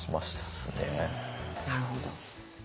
なるほど。